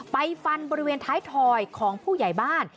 ฟันบริเวณท้ายถอยของผู้ใหญ่บ้าน